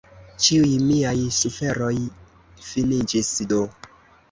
Ĉiuj miaj suferoj finiĝis do!